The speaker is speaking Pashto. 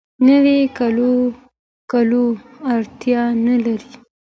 نوی کولو اړتیا نه لري.